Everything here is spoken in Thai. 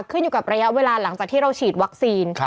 ขึ้นอยู่กับระยะเวลาหลังจากที่เราฉีดวัคซีน